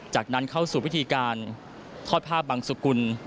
จากนั้นเข้าสู่พิธีการทอดผ้าบังสุกุล